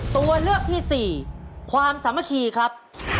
ตัวเลือกที่สี่ความสามัคคีครับ